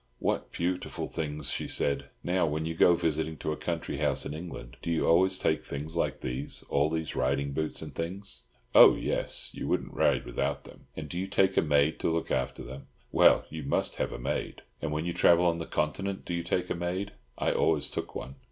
"What beautiful things!" she said. "Now, when you go visiting to a country house in England, do you always take things like these, all these riding boots and things?" "Oh, yes. You wouldn't ride without them." "And do you take a maid to look after them?" "Well, you must have a maid." "And when you travel on the Continent, do you take a maid?" "I always took one."